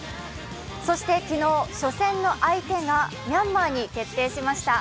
そして昨日、初戦の相手がミャンマーに決定しました。